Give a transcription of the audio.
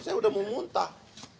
saya udah mau muntah